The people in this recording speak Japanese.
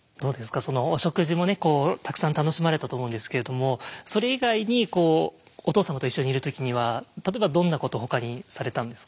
そのお食事もねたくさん楽しまれたと思うんですけれどもそれ以外にこうお父様と一緒にいる時には例えばどんなことほかにされたんですか？